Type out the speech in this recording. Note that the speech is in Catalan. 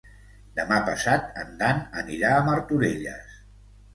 Demà passat en Dan anirà a Martorelles.